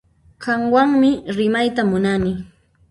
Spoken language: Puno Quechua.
Qanwanmi rimayta munani